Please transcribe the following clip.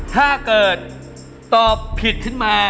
ถ้าเกิดตอบผิดขึ้นมา